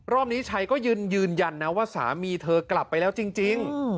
รอบนี้ชัยก็ยืนยันนะว่าสามีเธอกลับไปแล้วจริง